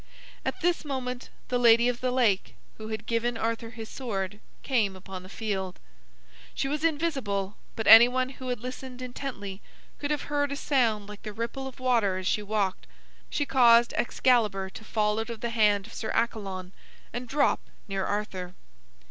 At this moment the Lady of the Lake, who had given Arthur his sword, came upon the field. She was invisible, but anyone who had listened intently could have heard a sound like the ripple of water as she walked. She caused Excalibur to fall out of the hand of Sir Accalon and drop near Arthur.